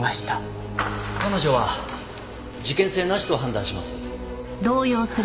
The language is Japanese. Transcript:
彼女は事件性なしと判断します。